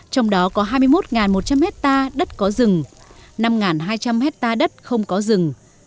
trong đó có hai mươi một một trăm linh hectare đất có rừng năm hai trăm linh hectare đất không có rừng